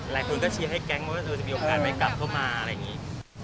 หลายคนก็เชียร์ให้แก๊งว่าจะมีโอกาสไหมกลับเข้ามาอะไรอย่างนี้